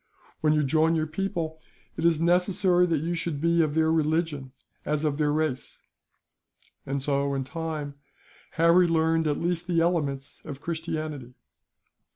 When you join your people, it is as necessary that you should be of their religion, as of their race;" and so, in time, Harry learned at least the elements of Christianity.